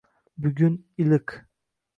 Bugun iliq